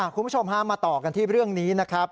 คุณผู้ชมฮะมาต่อกันที่เรื่องนี้นะครับ